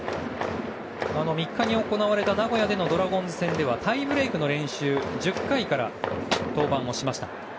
３日の名古屋でのドラゴンズ戦ではタイブレークの練習１０回から登板をしました。